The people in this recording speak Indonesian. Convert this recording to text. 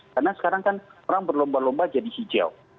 karena sekarang kan orang berlomba lomba jadi hijau